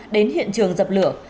đến hiện trường dập lửa